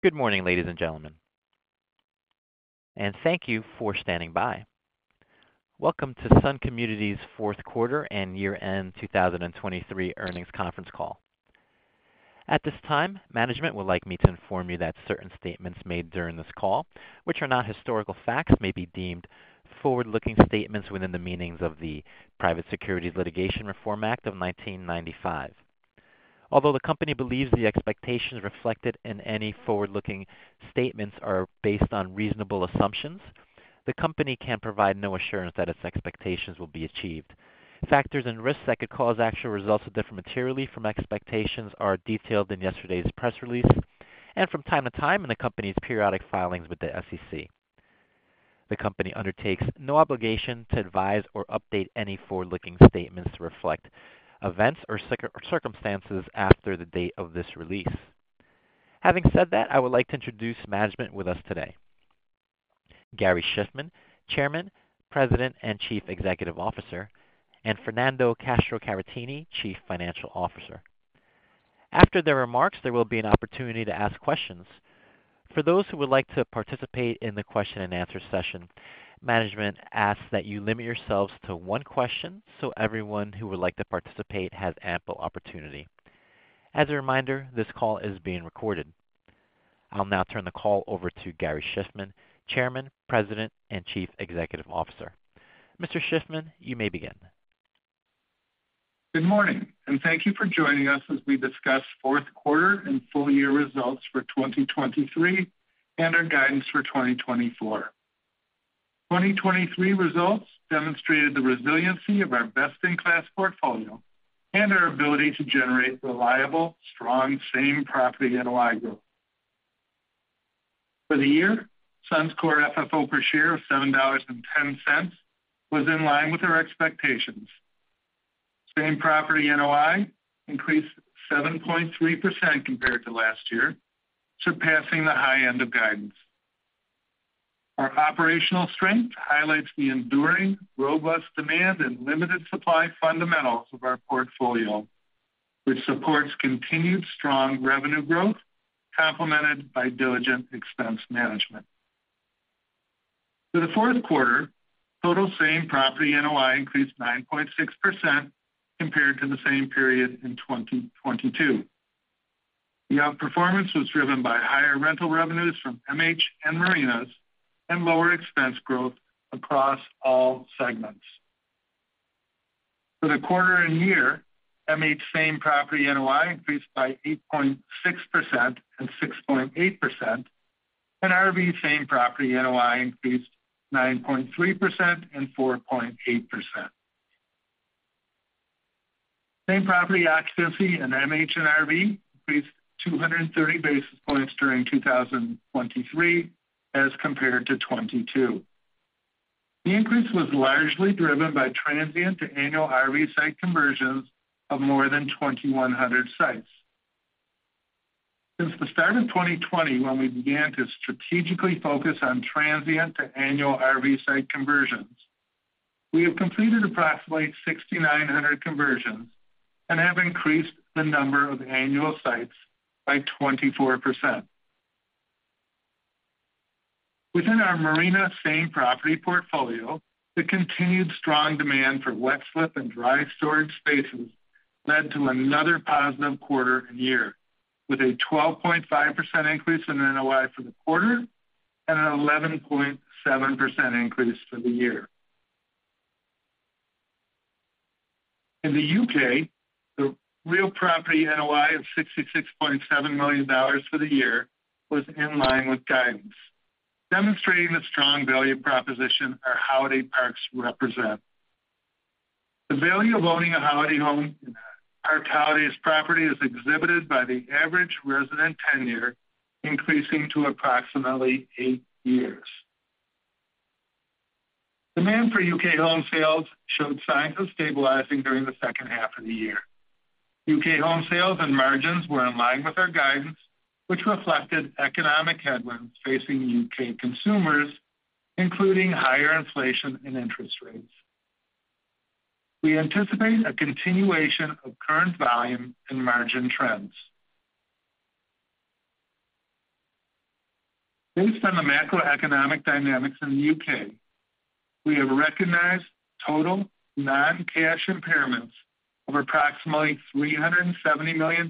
Good morning, ladies and gentlemen, and thank you for standing by. Welcome to Sun Communities' fourth quarter and year-end 2023 earnings conference call. At this time, management would like me to inform you that certain statements made during this call, which are not historical facts, may be deemed forward-looking statements within the meanings of the Private Securities Litigation Reform Act of 1995. Although the company believes the expectations reflected in any forward-looking statements are based on reasonable assumptions, the company can provide no assurance that its expectations will be achieved. Factors and risks that could cause actual results to differ materially from expectations are detailed in yesterday's press release, and from time to time in the company's periodic filings with the SEC. The company undertakes no obligation to advise or update any forward-looking statements to reflect events or circumstances after the date of this release. Having said that, I would like to introduce management with us today. Gary Shiffman, Chairman, President, and Chief Executive Officer, and Fernando Castro-Caratini, Chief Financial Officer. After their remarks, there will be an opportunity to ask questions. For those who would like to participate in the question-and-answer session, management asks that you limit yourselves to one question, so everyone who would like to participate has ample opportunity. As a reminder, this call is being recorded. I'll now turn the call over to Gary Shiffman, Chairman, President, and Chief Executive Officer. Mr. Shiffman, you may begin. Good morning, and thank you for joining us as we discuss fourth quarter and full year results for 2023 and our guidance for 2024. 2023 results demonstrated the resiliency of our best-in-class portfolio and our ability to generate reliable, strong, same-property NOI growth. For the year, Sun's core FFO per share of $7.10 was in line with our expectations. Same-property NOI increased 7.3% compared to last year, surpassing the high end of guidance. Our operational strength highlights the enduring, robust demand and limited supply fundamentals of our portfolio, which supports continued strong revenue growth, complemented by diligent expense management. For the fourth quarter, total same-property NOI increased 9.6% compared to the same period in 2022. The outperformance was driven by higher rental revenues from MH and marinas, and lower expense growth across all segments. For the quarter and year, MH same-property NOI increased by 8.6% and 6.8%, and RV same-property NOI increased 9.3% and 4.8%. Same-property occupancy in MH and RV increased 230 basis points during 2023 as compared to 2022. The increase was largely driven by transient to annual RV site conversions of more than 2,100 sites. Since the start of 2020, when we began to strategically focus on transient to annual RV site conversions, we have completed approximately 6,900 conversions and have increased the number of annual sites by 24%. Within our marina same-property portfolio, the continued strong demand for wet slip and dry storage spaces led to another positive quarter and year, with a 12.5% increase in NOI for the quarter and an 11.7% increase for the year. In the U.K., the real property NOI of $66.7 million for the year was in line with guidance, demonstrating the strong value proposition our holiday parks represent. The value of owning a holiday home in Park Holidays property is exhibited by the average resident tenure, increasing to approximately eight years. Demand for U.K. home sales showed signs of stabilizing during the second half of the year. U.K. home sales and margins were in line with our guidance, which reflected economic headwinds facing U.K. consumers, including higher inflation and interest rates. We anticipate a continuation of current volume and margin trends. Based on the macroeconomic dynamics in the U.K., we have recognized total non-cash impairments of approximately $370 million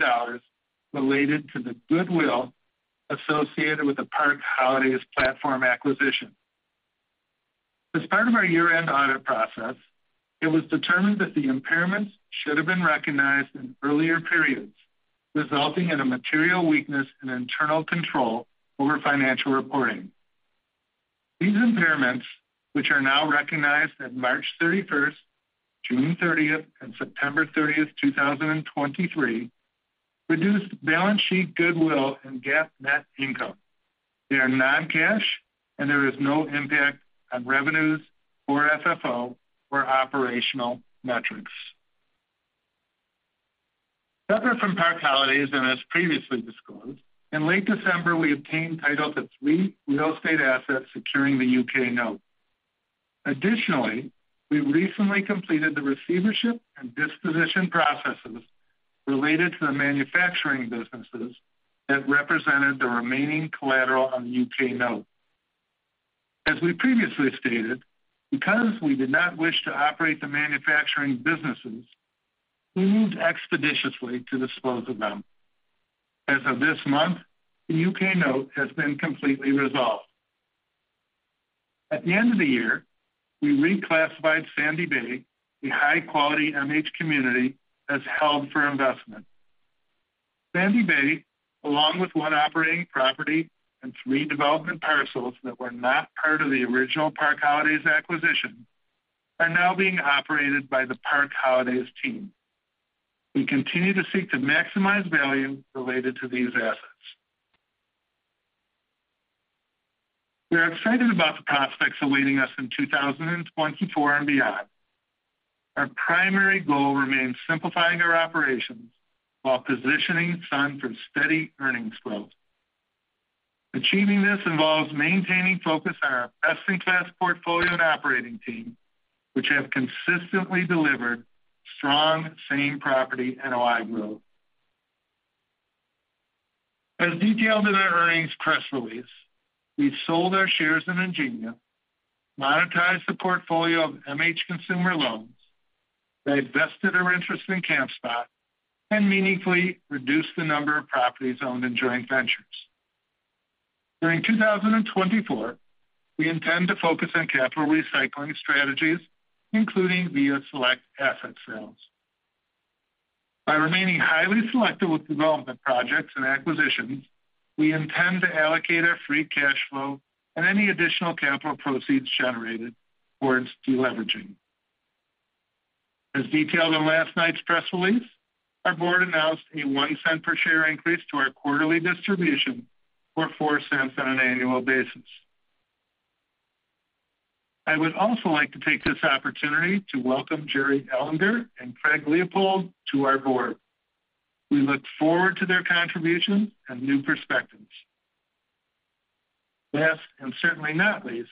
related to the goodwill associated with the Park Holidays platform acquisition. As part of our year-end audit process, it was determined that the impairments should have been recognized in earlier periods, resulting in a material weakness in internal control over financial reporting. These impairments, which are now recognized at March 31st, June 30th, and September 30th, 2023, reduced balance sheet goodwill and GAAP net income. They are non-cash, and there is no impact on revenues or FFO or operational metrics. Separate from Park Holidays, and as previously disclosed, in late December, we obtained title to three real estate assets securing the U.K. note. Additionally, we recently completed the receivership and disposition processes related to the manufacturing businesses that represented the remaining collateral on the U.K. note. As we previously stated, because we did not wish to operate the manufacturing businesses, we moved expeditiously to dispose of them. As of this month, the U.K. note has been completely resolved. At the end of the year, we reclassified Sandy Bay, a high-quality MH community, as held for investment. Sandy Bay, along with one operating property and three development parcels that were not part of the original Park Holidays acquisition, are now being operated by the Park Holidays team. We continue to seek to maximize value related to these assets. We are excited about the prospects awaiting us in 2024 and beyond. Our primary goal remains simplifying our operations while positioning Sun for steady earnings growth. Achieving this involves maintaining focus on our best-in-class portfolio and operating team, which have consistently delivered strong Same-Property NOI growth. As detailed in our earnings press release, we've sold our shares in Ingenia, monetized the portfolio of MH consumer loans, divested our interest in Campspot, and meaningfully reduced the number of properties owned in joint ventures. During 2024, we intend to focus on capital recycling strategies, including via select asset sales. By remaining highly selective with development projects and acquisitions, we intend to allocate our free cash flow and any additional capital proceeds generated towards deleveraging. As detailed in last night's press release, our board announced a $0.01 per share increase to our quarterly distribution, or $0.04 on an annual basis. I would also like to take this opportunity to welcome Jerome W. Ehlinger and Craig A. Leupold to our board. We look forward to their contributions and new perspectives. Last, and certainly not least,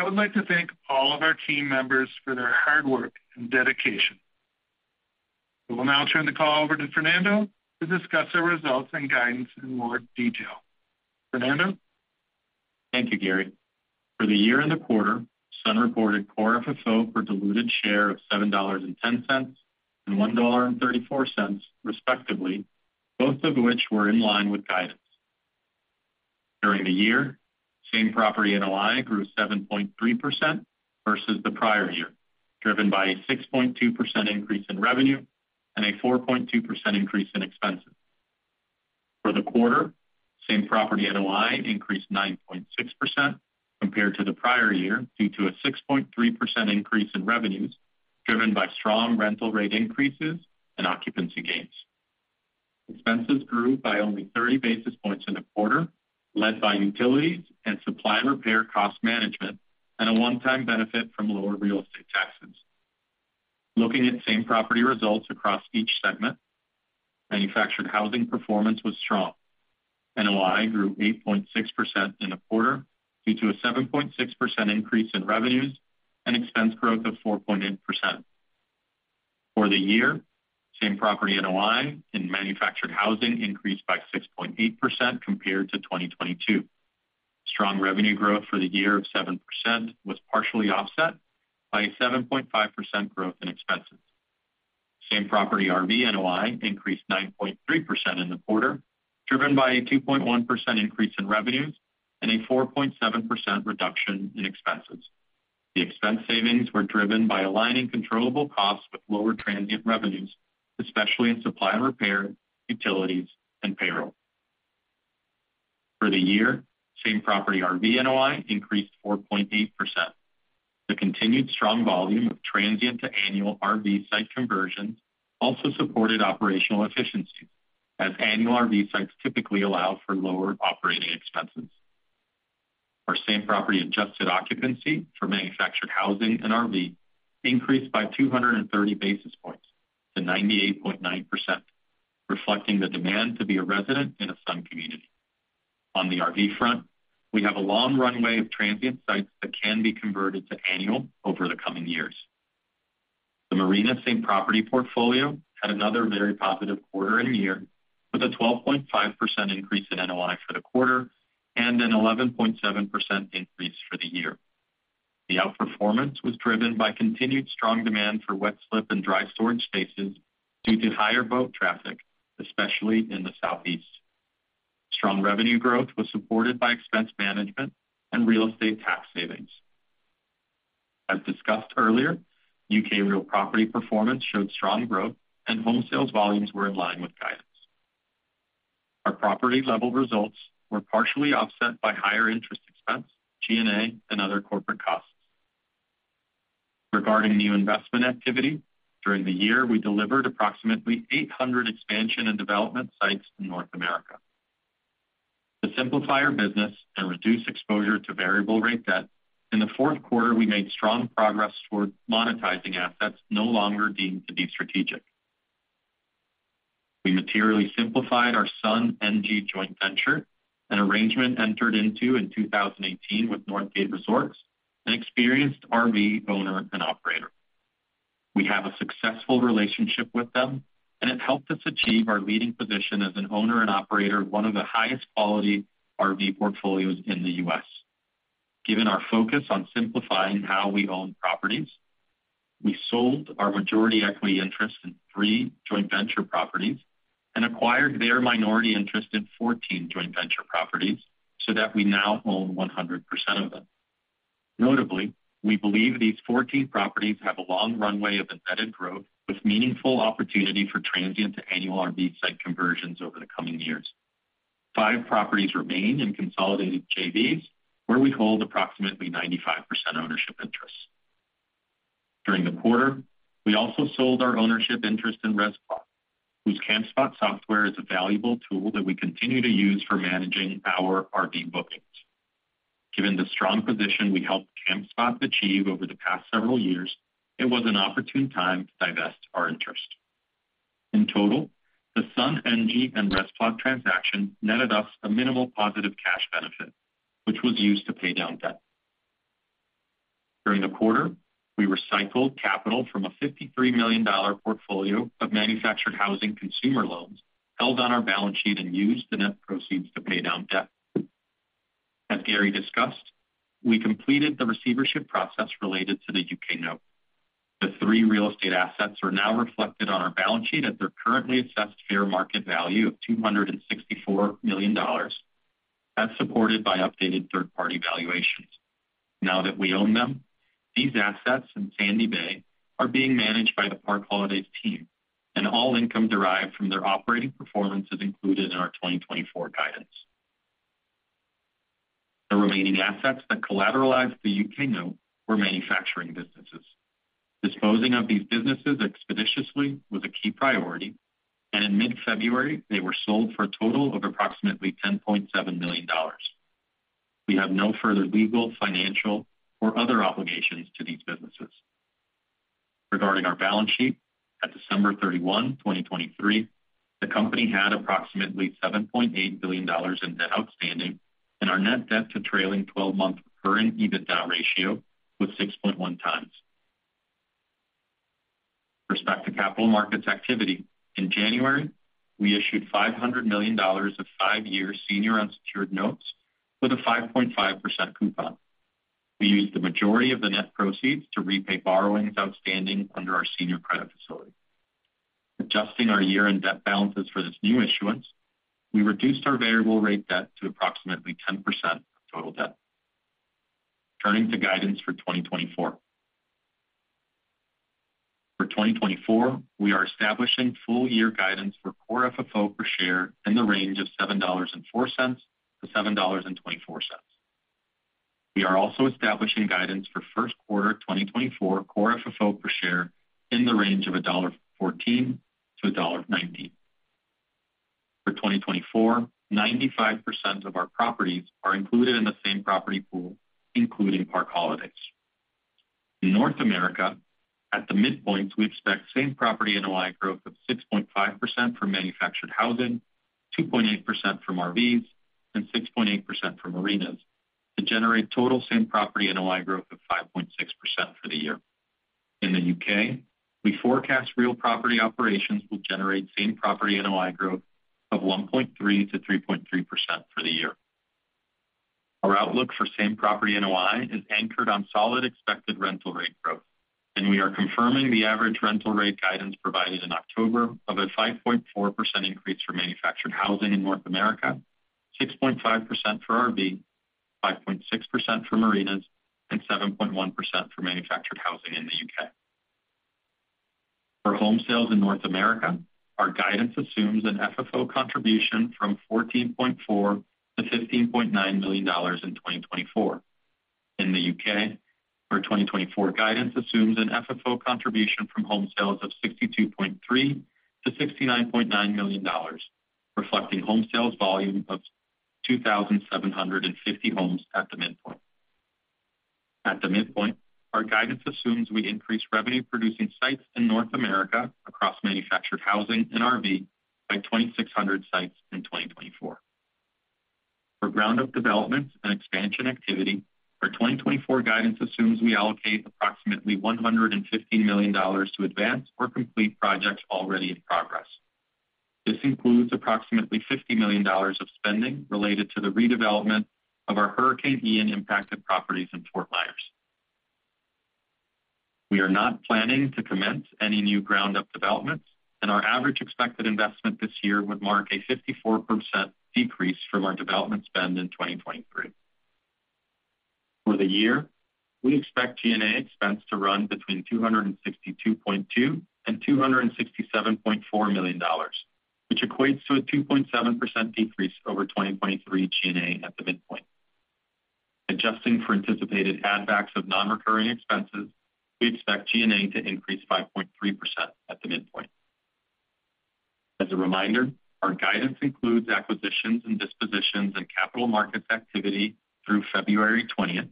I would like to thank all of our team members for their hard work and dedication. We will now turn the call over to Fernando to discuss our results and guidance in more detail. Fernando? Thank you, Gary. For the year and the quarter, Sun reported core FFO per diluted share of $7.10, and $1.34, respectively, both of which were in line with guidance. During the year, same-property NOI grew 7.3% versus the prior year, driven by a 6.2% increase in revenue and a 4.2% increase in expenses. For the quarter, same-property NOI increased 9.6% compared to the prior year, due to a 6.3% increase in revenues, driven by strong rental rate increases and occupancy gains. Expenses grew by only 30 basis points in the quarter, led by utilities and supply and repair cost management, and a one-time benefit from lower real estate taxes. Looking at same-property results across each segment, manufactured housing performance was strong. NOI grew 8.6% in the quarter due to a 7.6% increase in revenues and expense growth of 4.8%. For the year, same-property NOI in manufactured housing increased by 6.8% compared to 2022. Strong revenue growth for the year of 7% was partially offset by a 7.5% growth in expenses. Same-property RV NOI increased 9.3% in the quarter, driven by a 2.1% increase in revenues and a 4.7% reduction in expenses. The expense savings were driven by aligning controllable costs with lower transient revenues, especially in supply and repair, utilities, and payroll. For the year, same-property RV NOI increased 4.8%. The continued strong volume of transient to annual RV site conversions also supported operational efficiency, as annual RV sites typically allow for lower operating expenses. Our same-property adjusted occupancy for manufactured housing and RV increased by 230 basis points to 98.9%, reflecting the demand to be a resident in a Sun community. On the RV front, we have a long runway of transient sites that can be converted to annual over the coming years. The marina same-property portfolio had another very positive quarter and year, with a 12.5% increase in NOI for the quarter and an 11.7% increase for the year. The outperformance was driven by continued strong demand for wet slip and dry storage spaces due to higher boat traffic, especially in the Southeast. Strong revenue growth was supported by expense management and real estate tax savings. As discussed earlier, U.K. real property performance showed strong growth, and home sales volumes were in line with guidance. Our property-level results were partially offset by higher interest expense, G&A, and other corporate costs. Regarding new investment activity, during the year, we delivered approximately 800 expansion and development sites in North America. To simplify our business and reduce exposure to variable rate debt, in the fourth quarter, we made strong progress toward monetizing assets no longer deemed to be strategic. We materially simplified our Sun NG joint venture, an arrangement entered into in 2018 with Northgate Resorts, an experienced RV owner and operator. We have a successful relationship with them, and it helped us achieve our leading position as an owner and operator of one of the highest quality RV portfolios in the U.S. Given our focus on simplifying how we own properties, we sold our majority equity interest in 3 joint venture properties and acquired their minority interest in 14 joint venture properties so that we now own 100% of them. Notably, we believe these 14 properties have a long runway of embedded growth, with meaningful opportunity for transient to annual RV site conversions over the coming years. 5 properties remain in consolidated JVs, where we hold approximately 95% ownership interest. During the quarter, we also sold our ownership interest in Campspot, whose Campspot software is a valuable tool that we continue to use for managing our RV bookings. Given the strong position we helped Campspot achieve over the past several years, it was an opportune time to divest our interest. In total, the Sun NG and Rezplot transaction netted us a minimal positive cash benefit, which was used to pay down debt. During the quarter, we recycled capital from a $53 million portfolio of manufactured housing consumer loans held on our balance sheet and used the net proceeds to pay down debt. As Gary discussed, we completed the receivership process related to the U.K. note. The three real estate assets are now reflected on our balance sheet at their currently assessed fair market value of $264 million, as supported by updated third-party valuations. Now that we own them, these assets in Sandy Bay are being managed by the Park Holidays team, and all income derived from their operating performance is included in our 2024 guidance. The remaining assets that collateralized the U.K. note were manufacturing businesses. Disposing of these businesses expeditiously was a key priority, and in mid-February, they were sold for a total of approximately $10.7 million. We have no further legal, financial, or other obligations to these businesses. Regarding our balance sheet, at December 31, 2023, the company had approximately $7.8 billion in debt outstanding, and our net debt to trailing twelve-month current EBITDA ratio was 6.1 times. With respect to capital markets activity, in January, we issued $500 million of five-year senior unsecured notes with a 5.5% coupon. We used the majority of the net proceeds to repay borrowings outstanding under our senior credit facility. Adjusting our year-end debt balances for this new issuance, we reduced our variable rate debt to approximately 10% of total debt. Turning to guidance for 2024. For 2024, we are establishing full-year guidance for Core FFO per share in the range of $7.04-$7.24. We are also establishing guidance for first quarter 2024 Core FFO per share in the range of $1.14-$1.19. For 2024, 95% of our properties are included in the same-property pool, including Park Holidays. In North America, at the midpoint, we expect same-property NOI growth of 6.5% for manufactured housing, 2.8% from RVs, and 6.8% from marinas to generate total same-property NOI growth of 5.6% for the year. In the U.K., we forecast real property operations will generate same-property NOI growth of 1.3%-3.3% for the year. Our outlook for Same-Property NOI is anchored on solid expected rental rate growth, and we are confirming the average rental rate guidance provided in October of a 5.4% increase for manufactured housing in North America, 6.5% for RV, 5.6% for marinas, and 7.1% for manufactured housing in the UK. For home sales in North America, our guidance assumes an FFO contribution from $14.4 million-$15.9 million in 2024. In the UK, our 2024 guidance assumes an FFO contribution from home sales of $62.3 million-$69.9 million, reflecting home sales volume of 2,750 homes at the midpoint. At the midpoint, our guidance assumes we increase revenue-producing sites in North America across manufactured housing and RV by 2,600 sites in 2024. For ground-up developments and expansion activity, our 2024 guidance assumes we allocate approximately $115 million to advance or complete projects already in progress. This includes approximately $50 million of spending related to the redevelopment of our Hurricane Ian-impacted properties in Fort Myers. We are not planning to commence any new ground-up developments, and our average expected investment this year would mark a 54% decrease from our development spend in 2023. For the year, we expect G&A expense to run between $262.2 million-$267.4 million, which equates to a 2.7% decrease over 2023 G&A at the midpoint. Adjusting for anticipated add-backs of non-recurring expenses, we expect G&A to increase by 0.3% at the midpoint. As a reminder, our guidance includes acquisitions and dispositions and capital markets activity through February twentieth....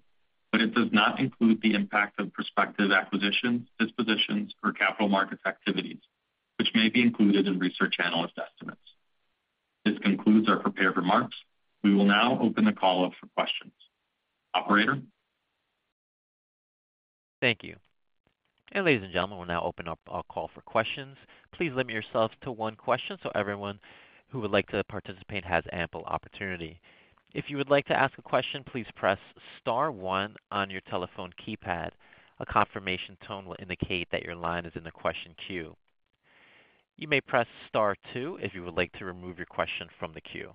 but it does not include the impact of prospective acquisitions, dispositions, or capital markets activities, which may be included in research analyst estimates. This concludes our prepared remarks. We will now open the call up for questions. Operator? Thank you. Ladies and gentlemen, we'll now open up our call for questions. Please limit yourself to one question so everyone who would like to participate has ample opportunity. If you would like to ask a question, please press star one on your telephone keypad. A confirmation tone will indicate that your line is in the question queue. You may press star two if you would like to remove your question from the queue.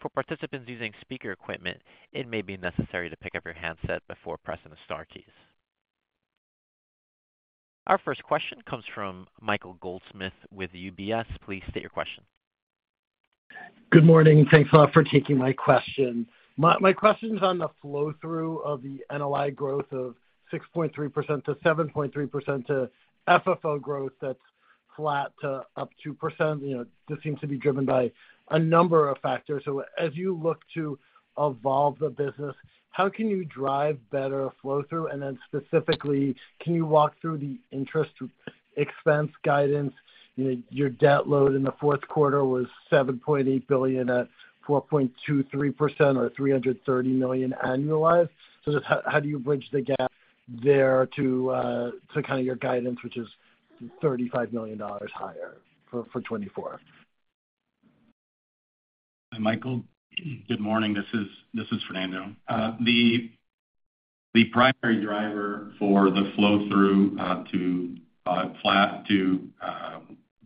For participants using speaker equipment, it may be necessary to pick up your handset before pressing the star keys. Our first question comes from Michael Goldsmith with UBS. Please state your question. Good morning, and thanks a lot for taking my question. My question is on the flow-through of the NOI growth of 6.3%-7.3% to FFO growth that's flat to up 2%. You know, this seems to be driven by a number of factors. So as you look to evolve the business, how can you drive better flow-through? And then specifically, can you walk through the interest expense guidance? Your debt load in the fourth quarter was $7.8 billion at 4.23%, or $330 million annualized. So just how do you bridge the gap there to kind of your guidance, which is $35 million higher for 2024? Hi, Michael. Good morning. This is, this is Fernando. The primary driver for the flow-through to flat to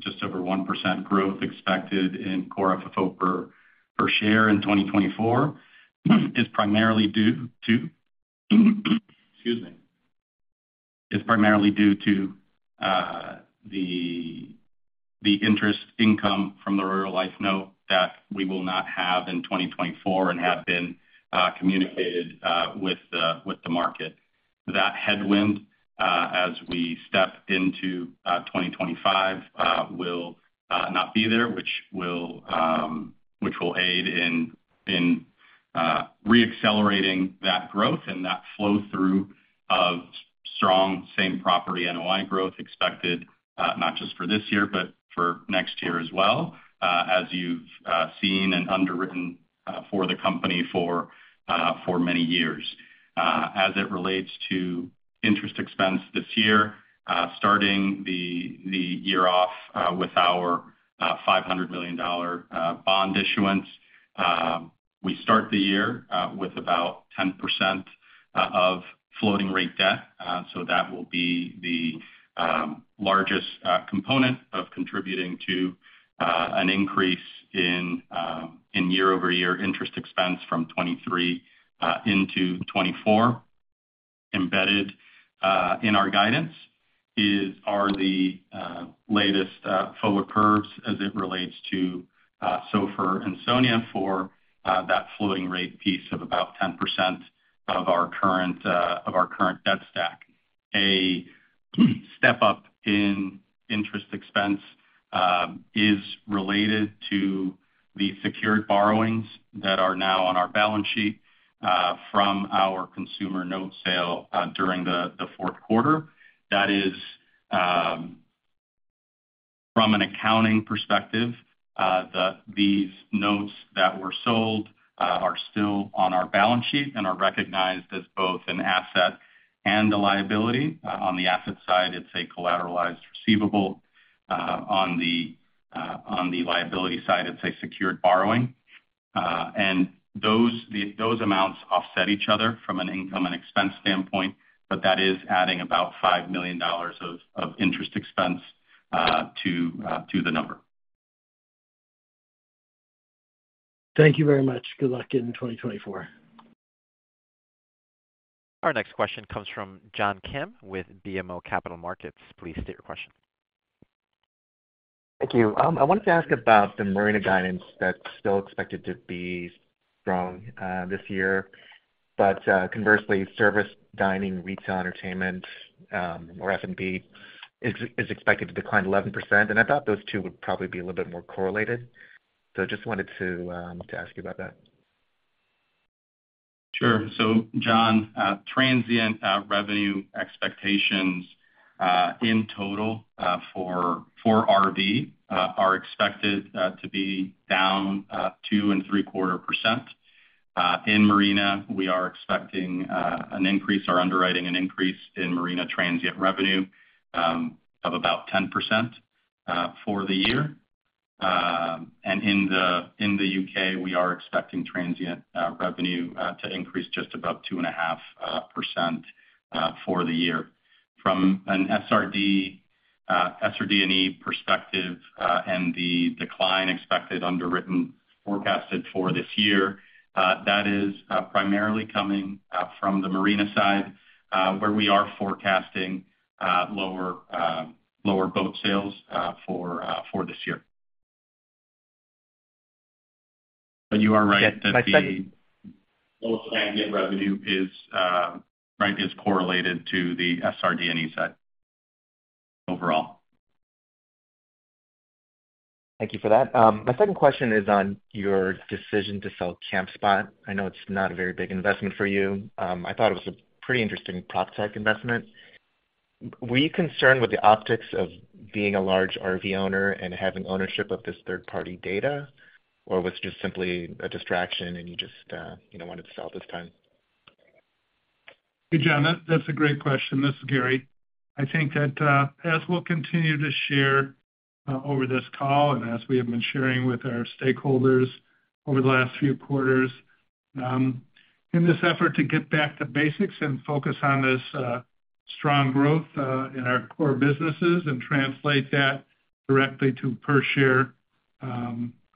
just over 1% growth expected in Core FFO per share in 2024 is primarily due to, excuse me, is primarily due to the interest income from the Royale Life note that we will not have in 2024 and have been communicated with the market. That headwind, as we step into 2025, will not be there, which will aid in reaccelerating that growth and that flow-through of strong Same-Property NOI growth expected, not just for this year, but for next year as well, as you've seen and underwritten for the company for many years. As it relates to interest expense this year, starting the year off with our $500 million bond issuance, we start the year with about 10% of floating rate debt. So that will be the largest component of contributing to an increase in year-over-year interest expense from 2023 into 2024. Embedded in our guidance are the latest forward curves as it relates to SOFR and SONIA for that floating rate piece of about 10% of our current debt stack. A step-up in interest expense is related to the secured borrowings that are now on our balance sheet from our consumer note sale during the fourth quarter. That is, from an accounting perspective, these notes that were sold are still on our balance sheet and are recognized as both an asset and a liability. On the asset side, it's a collateralized receivable. On the liability side, it's a secured borrowing. And those amounts offset each other from an income and expense standpoint, but that is adding about $5 million of interest expense to the number. Thank you very much. Good luck in 2024. Our next question comes from John Kim with BMO Capital Markets. Please state your question. Thank you. I wanted to ask about the marina guidance that's still expected to be strong this year, but conversely, service, dining, retail, entertainment, or F&B is expected to decline 11%, and I thought those two would probably be a little bit more correlated. So I just wanted to ask you about that. Sure. So John, transient revenue expectations in total for RV are expected to be down 2.75%. In Marina, we are expecting an increase or underwriting an increase in marina transient revenue of about 10% for the year. And in the U.K., we are expecting transient revenue to increase just above 2.5% for the year. From an SRD&E perspective, and the decline expected underwritten forecasted for this year, that is primarily coming from the marina side, where we are forecasting lower boat sales for this year. But you are right, that the boat transient revenue is right, is correlated to the SRD&E side overall. Thank you for that. My second question is on your decision to sell Campspot. I know it's not a very big investment for you. I thought it was a pretty interesting prop tech investment. Were you concerned with the optics of being a large RV owner and having ownership of this third-party data? Or was it just simply a distraction and you just, you know, wanted to sell this time? Hey, John, that, that's a great question. This is Gary. I think that, as we'll continue to share, over this call, and as we have been sharing with our stakeholders over the last few quarters, in this effort to get back to basics and focus on this, strong growth, in our core businesses and translate that directly to per share,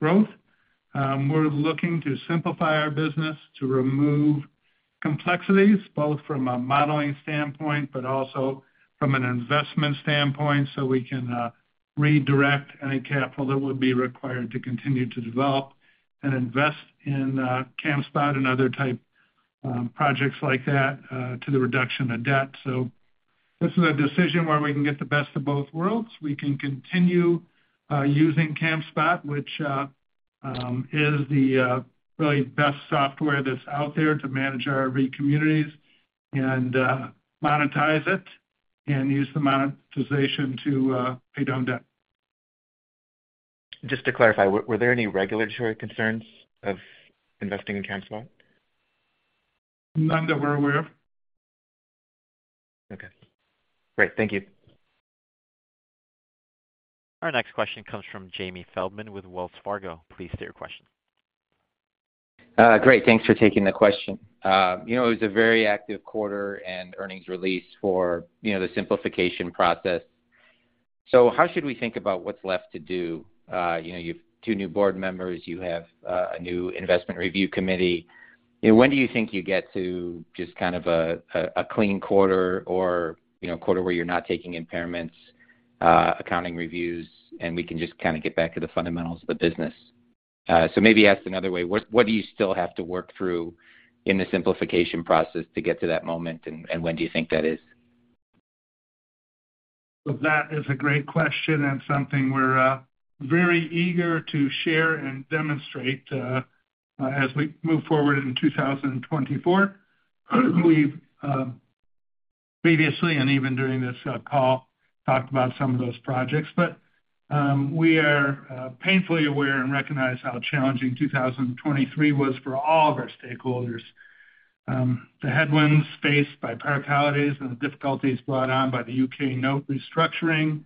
growth, we're looking to simplify our business to remove complexities, both from a modeling standpoint, but also from an investment standpoint, so we can, redirect any capital that would be required to continue to develop and invest in, Campspot and other type, projects like that, to the reduction of debt. So this is a decision where we can get the best of both worlds. We can continue using Campspot, which is the really best software that's out there to manage our RV communities and monetize it and use the monetization to pay down debt. Just to clarify, were there any regulatory concerns of investing in Campspot? None that we're aware of. Okay. Great. Thank you. Our next question comes from Jamie Feldman with Wells Fargo. Please state your question. Great, thanks for taking the question. You know, it was a very active quarter and earnings release for, you know, the simplification process. So how should we think about what's left to do? You know, you've two new board members, you have a new investment review committee. You know, when do you think you get to just kind of a clean quarter or, you know, a quarter where you're not taking impairments, accounting reviews, and we can just kinda get back to the fundamentals of the business? So maybe asked another way, what do you still have to work through in the simplification process to get to that moment, and when do you think that is? Well, that is a great question and something we're very eager to share and demonstrate as we move forward in 2024. We've previously, and even during this call, talked about some of those projects, but we are painfully aware and recognize how challenging 2023 was for all of our stakeholders. The headwinds faced by Park Holidays and the difficulties brought on by the UK note restructuring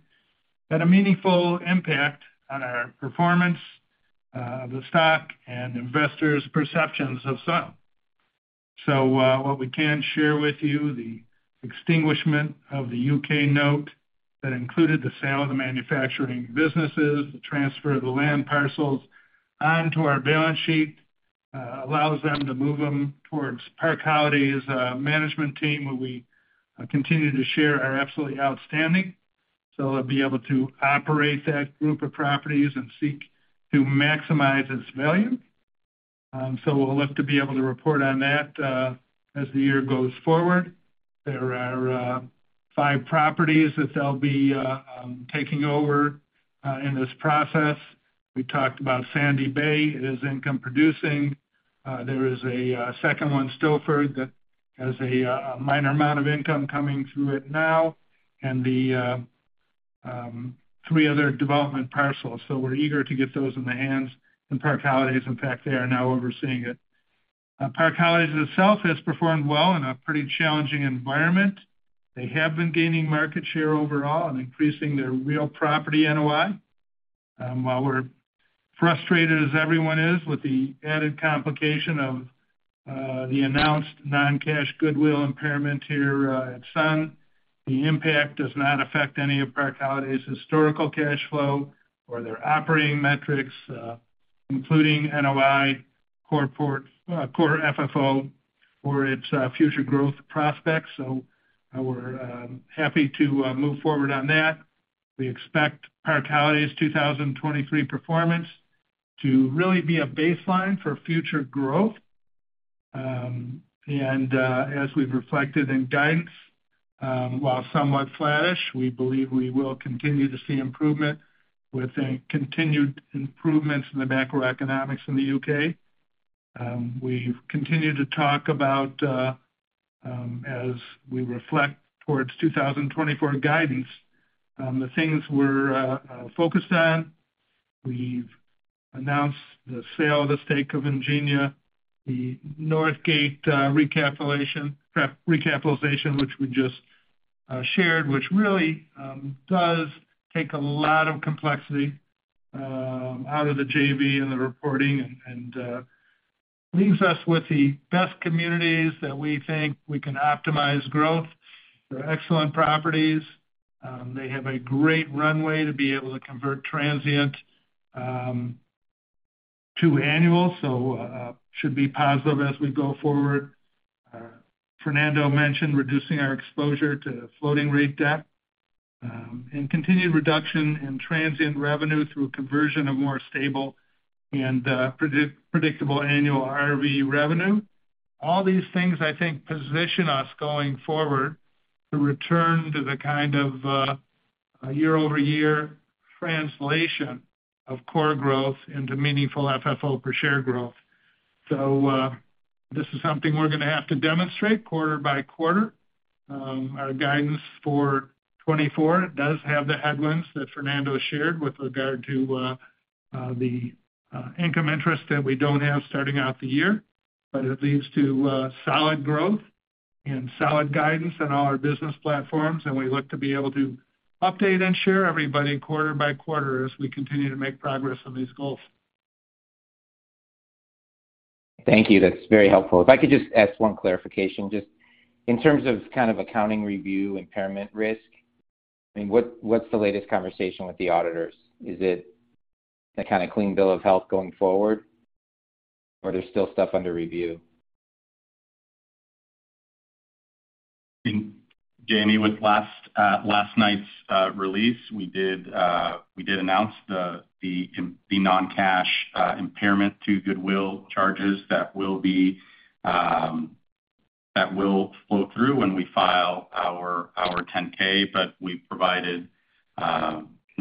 had a meaningful impact on our performance, the stock and investors' perceptions of Sun. So, what we can share with you, the extinguishment of the UK note that included the sale of the manufacturing businesses, the transfer of the land parcels onto our balance sheet allows them to move them towards Park Holidays' management team, where we continue to share are absolutely outstanding. So they'll be able to operate that group of properties and seek to maximize its value. So we'll look to be able to report on that, as the year goes forward. There are five properties that they'll be taking over in this process. We talked about Sandy Bay. It is income producing. There is a second one, Stoford, that has a minor amount of income coming through it now, and the three other development parcels. So we're eager to get those in the hands of Park Holidays. In fact, they are now overseeing it. Park Holidays itself has performed well in a pretty challenging environment. They have been gaining market share overall and increasing their real property NOI. While we're frustrated, as everyone is, with the added complication of the announced non-cash goodwill impairment here at Sun, the impact does not affect any of Park Holidays' historical cash flow or their operating metrics, including NOI, Core FFO, or its future growth prospects, so we're happy to move forward on that. We expect Park Holidays' 2023 performance to really be a baseline for future growth. As we've reflected in guidance, while somewhat flatish, we believe we will continue to see improvement with the continued improvements in the macroeconomics in the U.K. We've continued to talk about, as we reflect towards 2024 guidance, the things we're focused on. We've announced the sale of the stake of Ingenia, the Northgate recapitalization, which we just shared, which really does take a lot of complexity out of the JV and the reporting and leaves us with the best communities that we think we can optimize growth. They're excellent properties. They have a great runway to be able to convert transient to annual, so should be positive as we go forward. Fernando mentioned reducing our exposure to floating rate debt and continued reduction in transient revenue through a conversion of more stable and predictable annual RV revenue. All these things, I think, position us going forward to return to the kind of year-over-year translation of core growth into meaningful FFO per share growth. So, this is something we're gonna have to demonstrate quarter by quarter. Our guidance for 2024 does have the headwinds that Fernando shared with regard to the income interest that we don't have starting out the year. But it leads to solid growth and solid guidance in all our business platforms, and we look to be able to update and share everybody quarter by quarter as we continue to make progress on these goals. Thank you. That's very helpful. If I could just ask one clarification, just in terms of kind of accounting review, impairment risk, I mean, what's the latest conversation with the auditors? Is it the kind of clean bill of health going forward, or there's still stuff under review? I think, Jamie, with last night's release, we did announce the non-cash impairment to goodwill charges that will flow through when we file our 10-K. But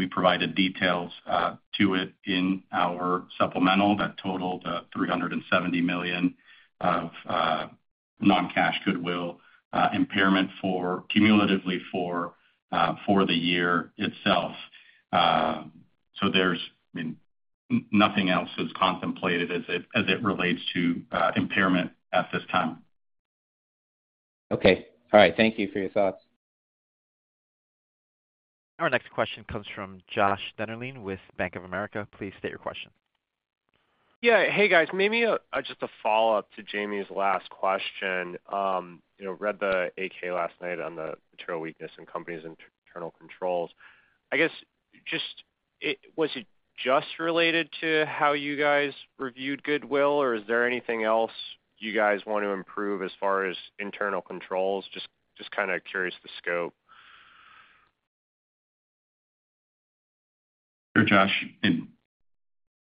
we provided details to it in our supplemental that totaled $370 million of non-cash goodwill impairment for cumulatively for the year itself. So there's, I mean, nothing else is contemplated as it relates to impairment at this time. Okay. All right. Thank you for your thoughts. Our next question comes from Josh Dennerlein with Bank of America. Please state your question. Yeah. Hey, guys, maybe just a follow-up to Jamie's last question. You know, I read the 8-K last night on the material weakness in companies' internal controls. I guess, is it just related to how you guys reviewed goodwill, or is there anything else you guys want to improve as far as internal controls? Just kind of curious about the scope. Sure, Josh.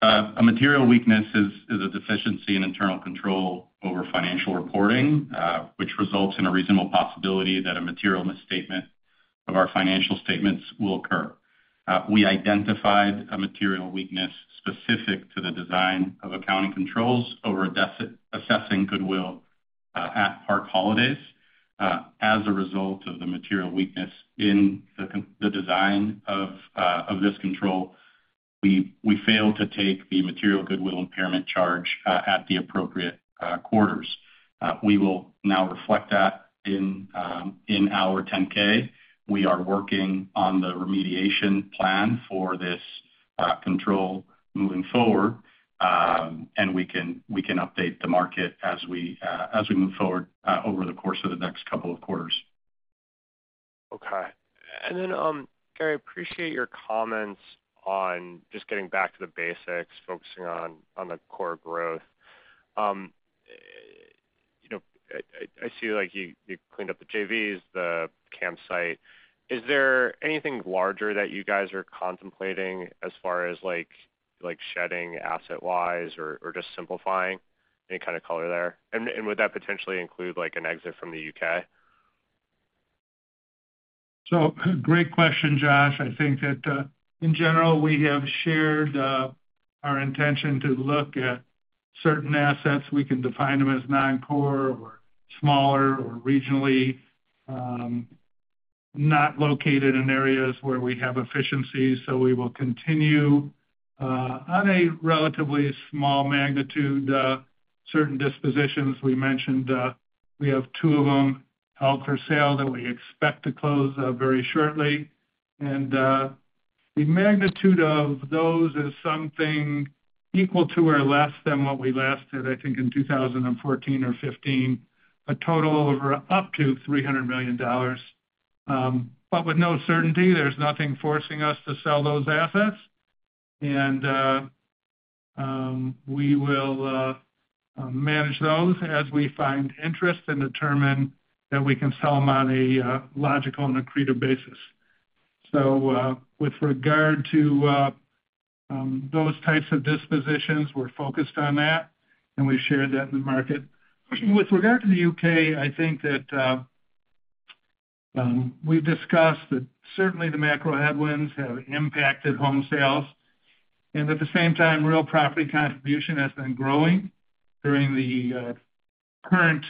A material weakness is a deficiency in internal control over financial reporting, which results in a reasonable possibility that a material misstatement of our financial statements will occur. We identified a material weakness specific to the design of accounting controls over assessing goodwill at Park Holidays. As a result of the material weakness in the design of this control, we failed to take the material goodwill impairment charge at the appropriate quarters. We will now reflect that in our 10-K. We are working on the remediation plan for this control moving forward, and we can update the market as we move forward over the course of the next couple of quarters. Okay. And then, Gary, I appreciate your comments on just getting back to the basics, focusing on the core growth. You know, I see like you cleaned up the JVs, the campsite. Is there anything larger that you guys are contemplating as far as, like, shedding asset-wise or just simplifying? Any kind of color there? And would that potentially include, like, an exit from the UK? So great question, Josh. I think that, in general, we have shared, our intention to look at certain assets. We can define them as non-core or smaller or regionally, not located in areas where we have efficiencies. So we will continue, on a relatively small magnitude, certain dispositions. We mentioned, we have 2 of them held for sale that we expect to close, very shortly. And, the magnitude of those is something equal to or less than what we last did, I think, in 2014 or 2015, a total of up to $300 million. But with no certainty, there's nothing forcing us to sell those assets. And, we will, manage those as we find interest and determine that we can sell them on a, logical and accretive basis. So, with regard to those types of dispositions, we're focused on that, and we've shared that in the market. With regard to the U.K., I think that we've discussed that certainly the macro headwinds have impacted home sales, and at the same time, real property contribution has been growing during the current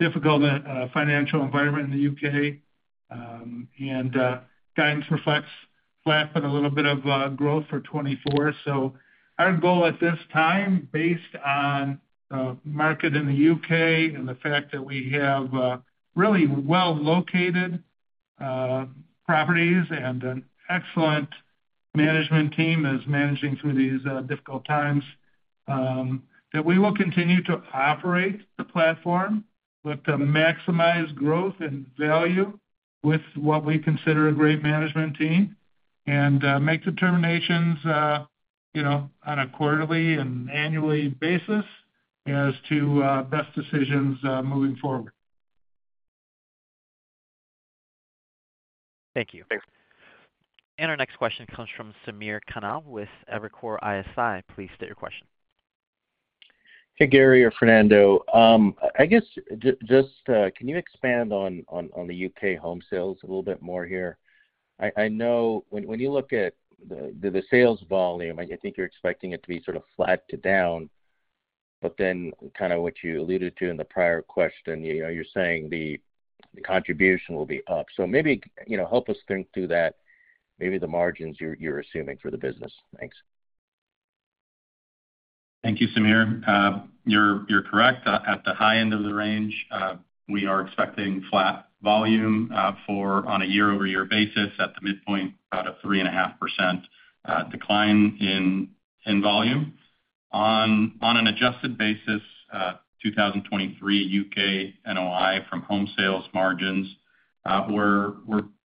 difficult financial environment in the U.K. Guidance reflects flat but a little bit of growth for 2024. So our goal at this time, based on the market in the UK and the fact that we have really well-located properties and an excellent management team that's managing through these difficult times, that we will continue to operate the platform, look to maximize growth and value with what we consider a great management team, and make determinations, you know, on a quarterly and annually basis as to best decisions moving forward. .Thank you. Thanks. Our next question comes from Samir Khanal with Evercore ISI. Please state your question. Hey, Gary or Fernando, I guess just can you expand on the UK home sales a little bit more here? I know when you look at the sales volume, I think you're expecting it to be sort of flat to down, but then kind of what you alluded to in the prior question, you know, you're saying the contribution will be up. So maybe, you know, help us think through that, maybe the margins you're assuming for the business. Thanks. Thank you, Samir. You're correct. At the high end of the range, we are expecting flat volume for on a year-over-year basis, at the midpoint, about a 3.5% decline in volume. On an adjusted basis, 2023 U.K. NOI from home sales margins were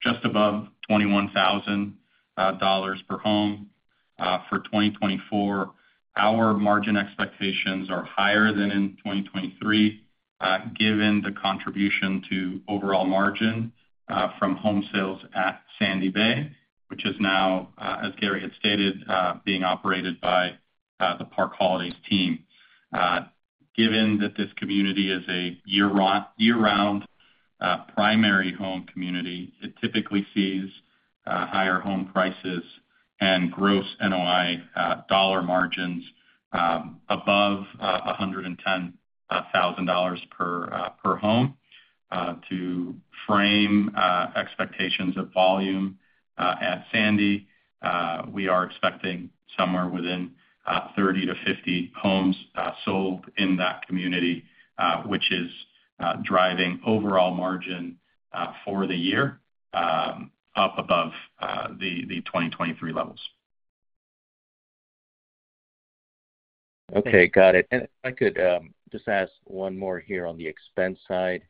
just above $21,000 per home. For 2024, our margin expectations are higher than in 2023, given the contribution to overall margin from home sales at Sandy Bay, which is now, as Gary had stated, being operated by the Park Holidays team. Given that this community is a year-round primary home community, it typically sees higher home prices and gross NOI dollar margins above $110,000 per home. To frame expectations of volume at Sandy, we are expecting somewhere within 30-50 homes sold in that community, which is driving overall margin for the year up above the 2023 levels. Okay. Got it. And if I could, just ask one more here on the expense side.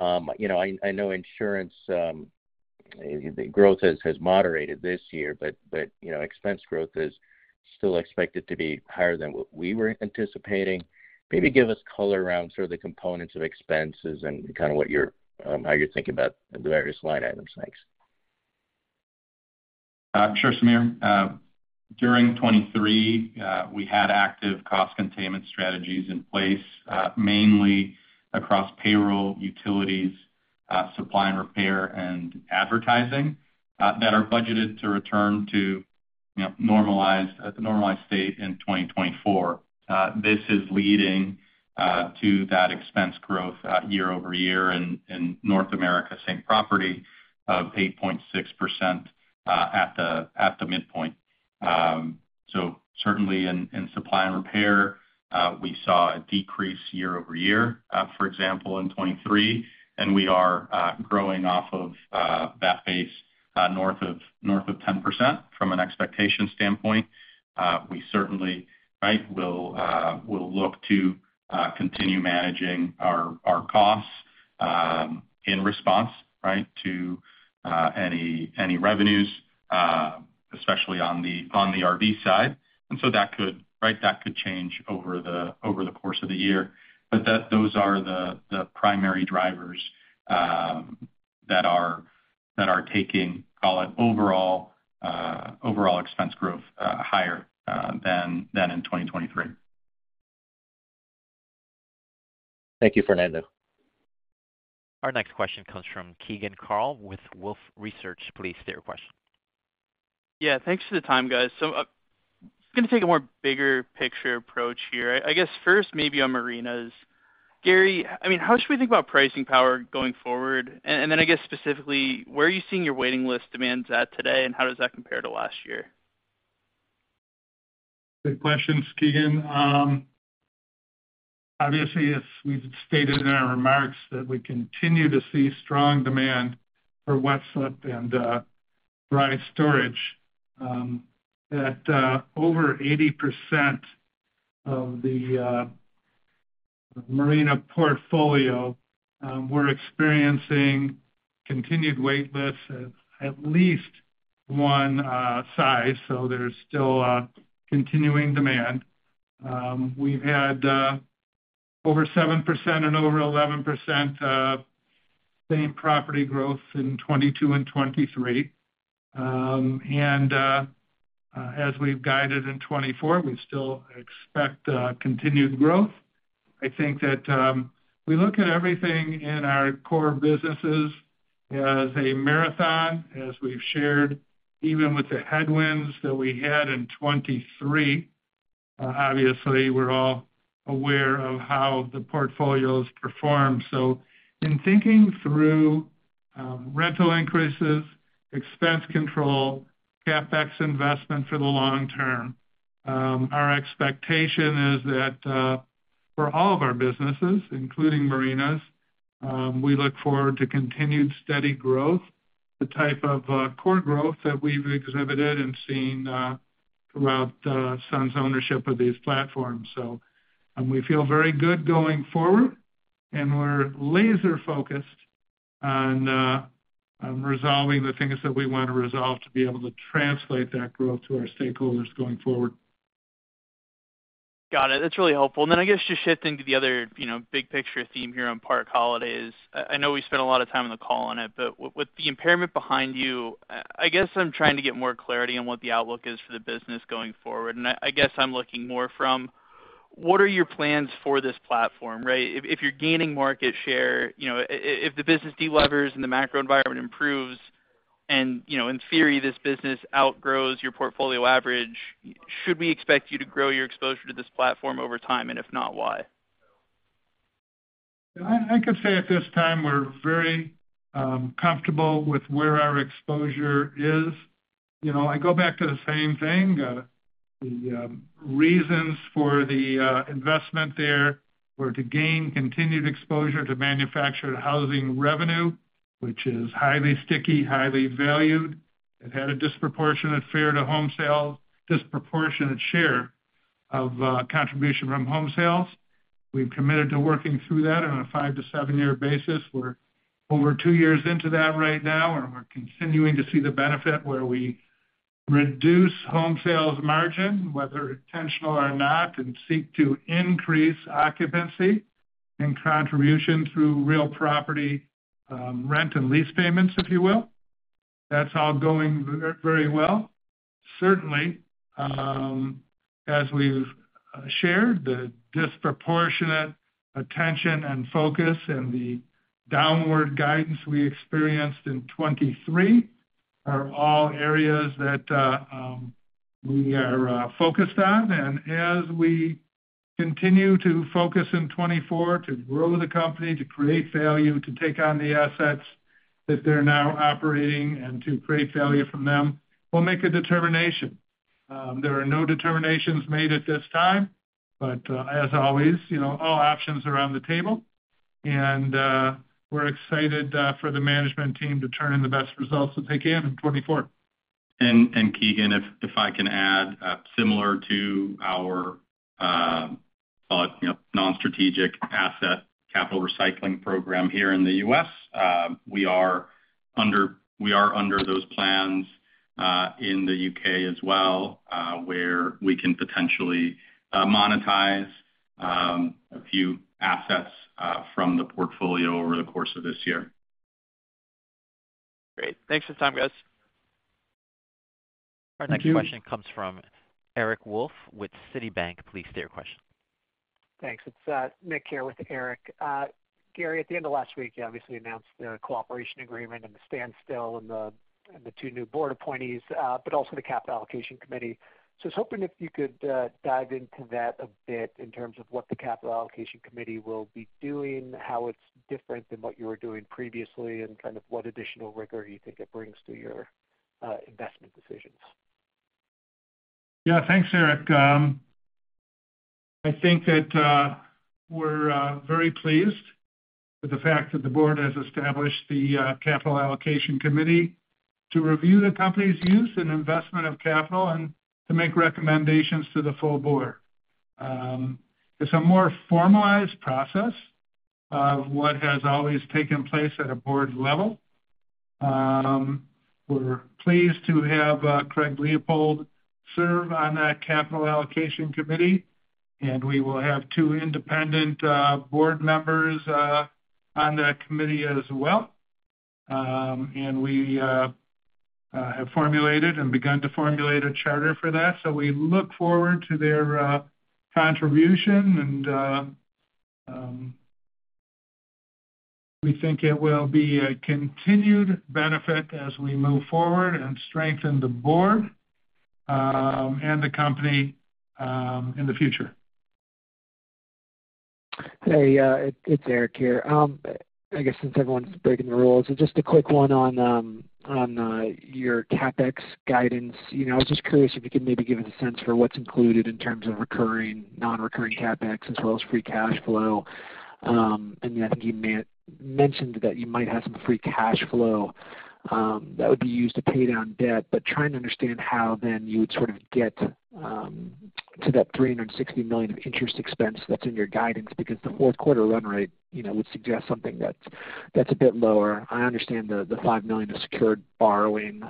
You know, I know insurance, the growth has moderated this year, but you know, expense growth is still expected to be higher than what we were anticipating. Maybe give us color around sort of the components of expenses and kind of what you're, how you're thinking about the various line items. Thanks. Sure, Samir. During 2023, we had active cost containment strategies in place, mainly across payroll, utilities, supply and repair, and advertising, that are budgeted to return to, you know, normalized state in 2024. This is leading to that expense growth year-over-year in North America, Same-Property of 8.6% at the midpoint. So certainly in supply and repair, we saw a decrease year-over-year, for example, in 2023, and we are growing off of that base, north of 10% from an expectation standpoint. We certainly, right, will look to continue managing our costs in response, right, to any revenues, especially on the RV side. So that could, right, that could change over the course of the year. But those are the primary drivers that are taking, call it, overall expense growth higher than in 2023. Thank you, Fernando. Our next question comes from Keegan Carl with Wolfe Research. Please state your question. Yeah, thanks for the time, guys. So, just gonna take a more bigger picture approach here. I guess first, maybe on marinas. Gary, I mean, how should we think about pricing power going forward? And then I guess specifically, where are you seeing your waiting list demands at today, and how does that compare to last year? Good questions, Keegan. Obviously, as we've stated in our remarks, that we continue to see strong demand for wet slip and dry storage. At over 80% of the marina portfolio, we're experiencing continued wait lists at at least one size, so there's still a continuing demand. We've had over 7% and over 11% same property growth in 2022 and 2023. As we've guided in 2024, we still expect continued growth. I think that we look at everything in our core businesses as a marathon, as we've shared, even with the headwinds that we had in 2023. Obviously, we're all aware of how the portfolios perform. So in thinking through, rental increases, expense control, CapEx investment for the long term, our expectation is that, for all of our businesses, including marinas, we look forward to continued steady growth, the type of, core growth that we've exhibited and seen, throughout, Sun's ownership of these platforms. So, we feel very good going forward, and we're laser focused on, on resolving the things that we want to resolve to be able to translate that growth to our stakeholders going forward. Got it. That's really helpful. And then I guess, just shifting to the other, you know, big picture theme here on Park Holidays. I know we spent a lot of time on the call on it, but with the impairment behind you, I guess I'm trying to get more clarity on what the outlook is for the business going forward. And I guess I'm looking more from, what are your plans for this platform, right? If you're gaining market share, you know, if the business delevers and the macro environment improves, and, you know, in theory, this business outgrows your portfolio average, should we expect you to grow your exposure to this platform over time? And if not, why? I could say at this time, we're very comfortable with where our exposure is. You know, I go back to the same thing. The reasons for the investment there were to gain continued exposure to manufactured housing revenue, which is highly sticky, highly valued. It had a disproportionate share of contribution from home sales. We've committed to working through that on a 5-7-year basis. We're over 2 years into that right now, and we're continuing to see the benefit, where we reduce home sales margin, whether intentional or not, and seek to increase occupancy and contribution through real property rent and lease payments, if you will. That's all going very well. Certainly, as we've shared, the disproportionate attention and focus and the downward guidance we experienced in 2023 are all areas that we are focused on. And as we continue to focus in 2024 to grow the company, to create value, to take on the assets that they're now operating, and to create value from them, we'll make a determination. There are no determinations made at this time, but as always, you know, all options are on the table, and we're excited for the management team to turn in the best results that they can in 2024. And Keegan, if I can add, similar to our call it, you know, non-strategic asset capital recycling program here in the U.S., we are under those plans in the U.K. as well, where we can potentially monetize a few assets from the portfolio over the course of this year. Great. Thanks for the time, guys. Thank you. Our next question comes from Eric Wolfe with Citibank. Please state your question. Thanks. It's Nick here with Eric. Gary, at the end of last week, you obviously announced the cooperation agreement and the standstill and the, and the two new board appointees, but also the capital allocation committee. So I was hoping if you could dive into that a bit in terms of what the capital allocation committee will be doing, how it's different than what you were doing previously, and kind of what additional rigor you think it brings to your investment decisions. Yeah, thanks, Eric. I think that we're very pleased with the fact that the board has established the capital allocation committee to review the company's use and investment of capital and to make recommendations to the full board. It's a more formalized process of what has always taken place at a board level. We're pleased to have Craig A. Leupold serve on that capital allocation committee, and we will have two independent board members on that committee as well. And we have formulated and begun to formulate a charter for that. So we look forward to their contribution, and we think it will be a continued benefit as we move forward and strengthen the board and the company in the future. Hey, it's Eric here. I guess since everyone's breaking the rules, so just a quick one on your CapEx guidance. You know, I was just curious if you could maybe give us a sense for what's included in terms of recurring, non-recurring CapEx as well as free cash flow. And I think you mentioned that you might have some free cash flow that would be used to pay down debt, but trying to understand how then you would sort of get to that $360 million of interest expense that's in your guidance, because the fourth quarter run rate, you know, would suggest something that's a bit lower. I understand the $5 million of secured borrowing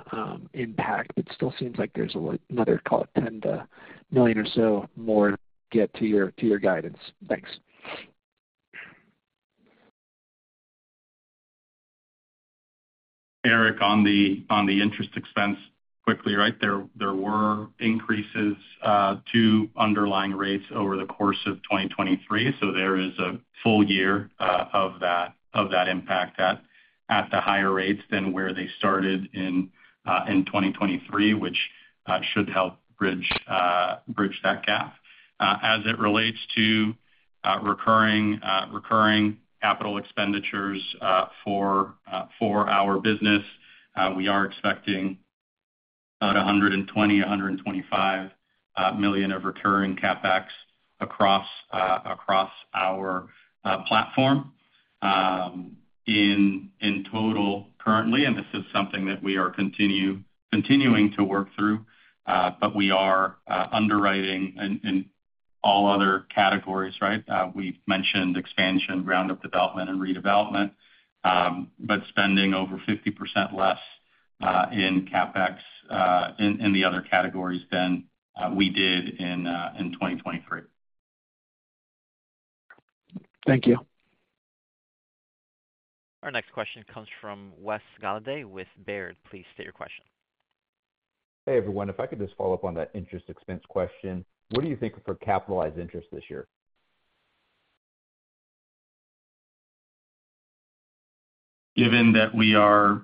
impact, but still seems like there's another, call it, $10 million or so more to get to your guidance. Thanks. Eric, on the interest expense, quickly, right? There were increases to underlying rates over the course of 2023, so there is a full year of that impact at the higher rates than where they started in 2023, which should help bridge that gap. As it relates to recurring capital expenditures for our business, we are expecting about $120-$125 million of recurring CapEx across our platform in total currently, and this is something that we are continuing to work through. But we are underwriting in all other categories, right? We've mentioned expansion, ground-up development, and redevelopment, but spending over 50% less-... in CapEx, in the other categories than we did in 2023. Thank you. Our next question comes from Wes Golladay with Baird. Please state your question. Hey, everyone. If I could just follow up on that interest expense question. What do you think of for capitalized interest this year? Given that we are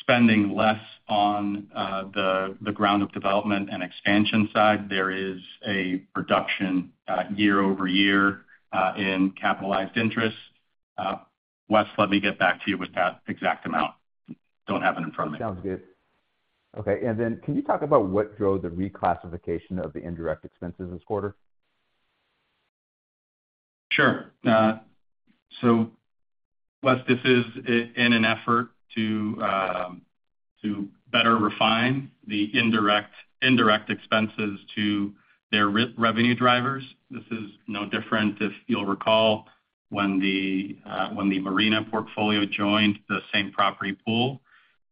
spending less on the ground-up development and expansion side, there is a reduction year-over-year in capitalized interest. Wes, let me get back to you with that exact amount. Don't have it in front of me. Sounds good. Okay, and then can you talk about what drove the reclassification of the indirect expenses this quarter? Sure. So Wes, this is in an effort to better refine the indirect expenses to their revenue drivers. This is no different if you'll recall, when the marina portfolio joined the same property pool,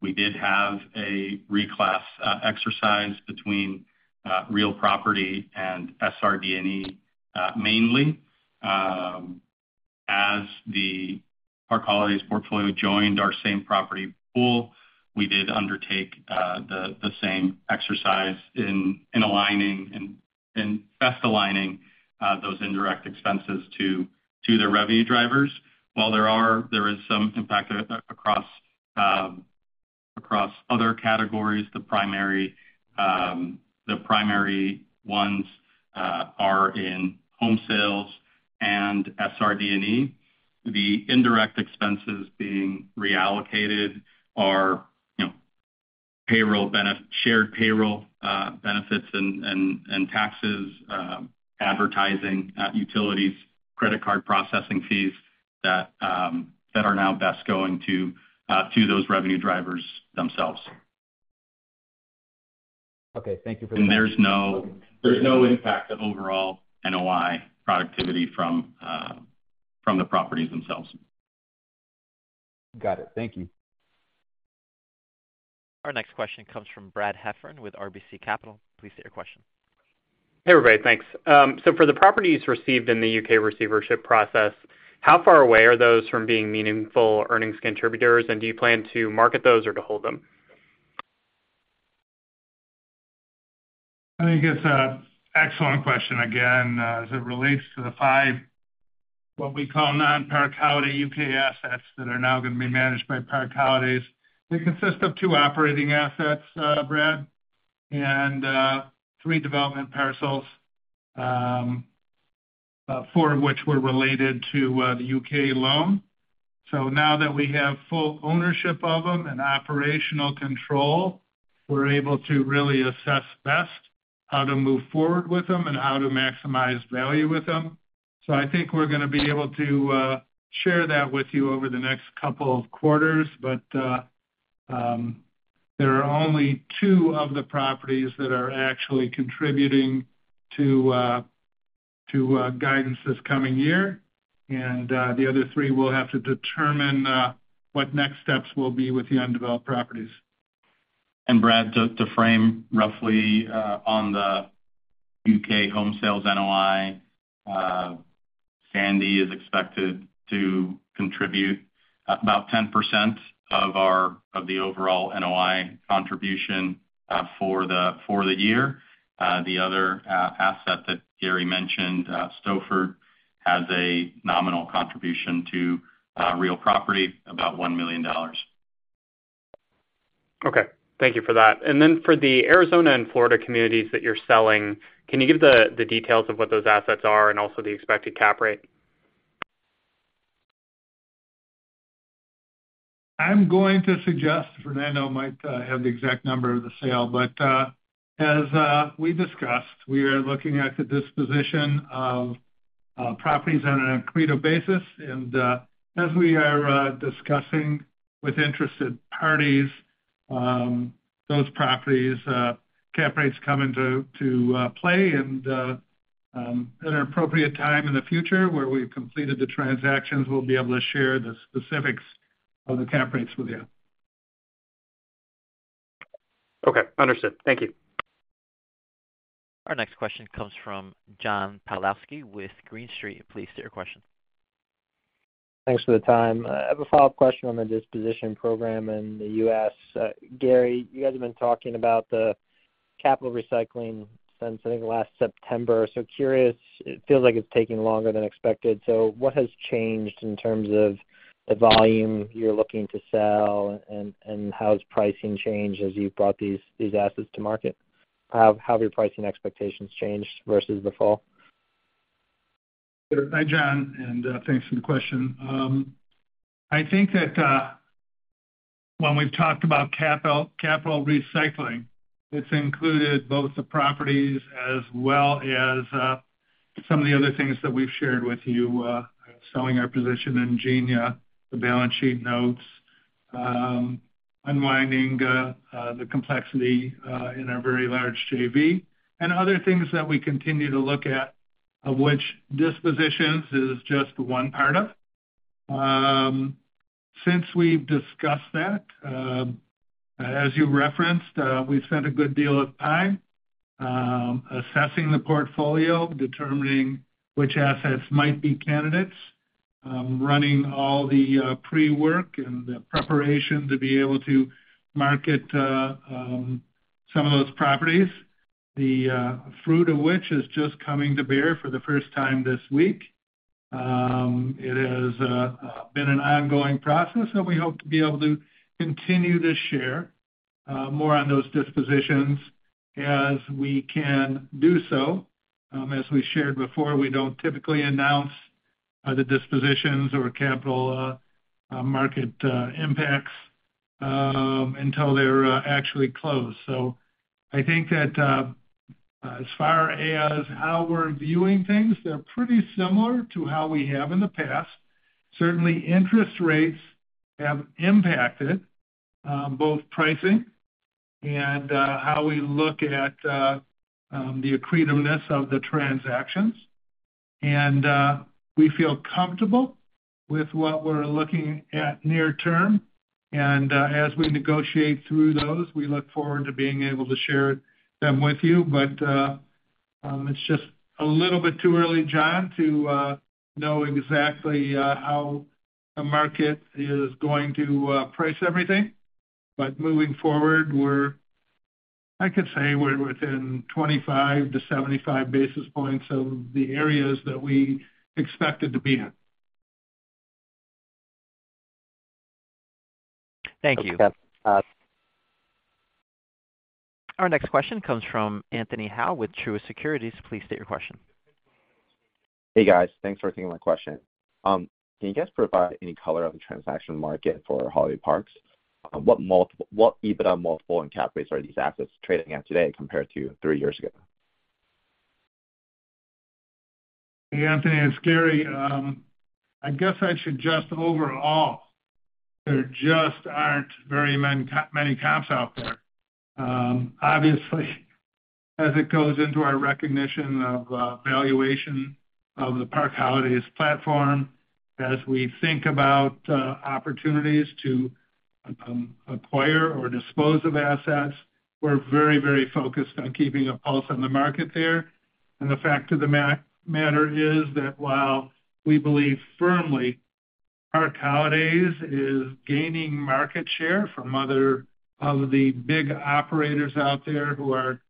we did have a reclass exercise between real property and SRD&E, mainly. As the Park Holidays portfolio joined our same property pool, we did undertake the same exercise in aligning and best aligning those indirect expenses to the revenue drivers. While there is some impact across other categories, the primary ones are in home sales and SRD&E. The indirect expenses being reallocated are, you know, shared payroll, benefits and taxes, advertising, utilities, credit card processing fees that are now best going to those revenue drivers themselves. Okay, thank you for that. And there's no- Okay. There's no impact to overall NOI productivity from the properties themselves. Got it. Thank you. Our next question comes from Brad Heffern with RBC Capital. Please state your question. Hey, everybody, thanks. So for the properties received in the UK receivership process, how far away are those from being meaningful earnings contributors? And do you plan to market those or to hold them? I think it's an excellent question. Again, as it relates to the 5, what we call non-Park Holidays U.K. assets that are now going to be managed by Park Holidays, they consist of 2 operating assets, Brad, and 3 development parcels, 4 of which were related to the U.K. loan. So now that we have full ownership of them and operational control, we're able to really assess best how to move forward with them and how to maximize value with them. So I think we're gonna be able to share that with you over the next couple of quarters, but there are only 2 of the properties that are actually contributing to guidance this coming year. And the other 3 will have to determine what next steps will be with the undeveloped properties. And Brad, to frame roughly on the U.K. home sales NOI, Sandy is expected to contribute about 10% of our of the overall NOI contribution for the year. The other asset that Gary mentioned, Stoford, has a nominal contribution to real property, about $1 million. Okay. Thank you for that. And then for the Arizona and Florida communities that you're selling, can you give the details of what those assets are and also the expected cap rate? I'm going to suggest Fernando might have the exact number of the sale, but as we discussed, we are looking at the disposition of properties on an accretive basis. And as we are discussing with interested parties those properties, cap rates come into play. And at an appropriate time in the future, where we've completed the transactions, we'll be able to share the specifics of the cap rates with you. Okay, understood. Thank you. Our next question comes from John Pawlowski with Green Street. Please state your question. Thanks for the time. I have a follow-up question on the disposition program in the U.S. Gary, you guys have been talking about the capital recycling since, I think, last September. So curious, it feels like it's taking longer than expected. So what has changed in terms of the volume you're looking to sell? And how has pricing changed as you've brought these assets to market? How have your pricing expectations changed versus the fall? Hi, John, and thanks for the question. I think that, when we've talked about capital, capital recycling, it's included both the properties as well as, some of the other things that we've shared with you, selling our position in Ingenia, the balance sheet notes, unwinding, the complexity, in our very large JV and other things that we continue to look at.... of which dispositions is just one part of. Since we've discussed that, as you referenced, we've spent a good deal of time, assessing the portfolio, determining which assets might be candidates, running all the, pre-work and the preparation to be able to market, some of those properties, the fruit of which is just coming to bear for the first time this week. It has been an ongoing process, and we hope to be able to continue to share more on those dispositions as we can do so. As we shared before, we don't typically announce the dispositions or capital market impacts until they're actually closed. So I think that as far as how we're viewing things, they're pretty similar to how we have in the past. Certainly, interest rates have impacted both pricing and how we look at the accretiveness of the transactions. And we feel comfortable with what we're looking at near term, and as we negotiate through those, we look forward to being able to share them with you. But it's just a little bit too early, John, to know exactly how the market is going to price everything. But moving forward, I could say we're within 25-75 basis points of the areas that we expected to be in. Thank you. Okay. Uh... Our next question comes from Anthony Hau with Truist Securities. Please state your question. Hey, guys. Thanks for taking my question. Can you guys provide any color on the transaction market for holiday parks? What multiple—what EBITDA multiple and cap rates are these assets trading at today compared to three years ago? Hey, Anthony, it's Gary. I guess I'd suggest overall, there just aren't very many comps out there. Obviously, as it goes into our recognition of valuation of the Park Holidays platform, as we think about opportunities to acquire or dispose of assets, we're very, very focused on keeping a pulse on the market there. And the fact of the matter is that while we believe firmly Park Holidays is gaining market share from other of the big operators out there who are